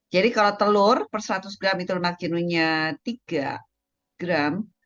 jadi kalau telur per seratus gram itu lemak jenuhnya tiga gram